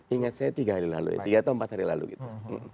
ingat saya tiga hari lalu ya tiga atau empat hari lalu gitu